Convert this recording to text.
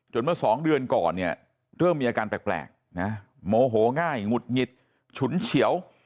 เมื่อ๒เดือนก่อนเนี่ยเริ่มมีอาการแปลกนะโมโหง่ายหงุดหงิดฉุนเฉียว